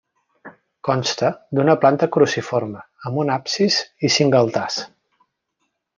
Consta d'una planta cruciforme, amb un absis i cinc altars.